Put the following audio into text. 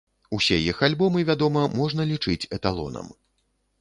Усе іх альбомы, вядома, можна лічыць эталонам.